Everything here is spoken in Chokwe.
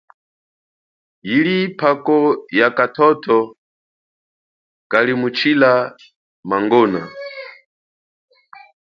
Yili phako yakathotho kalimutshila mangona.